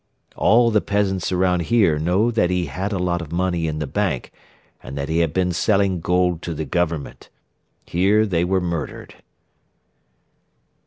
All the peasants around here know that he had a lot of money in the bank and that he had been selling gold to the Government. Here they were murdered."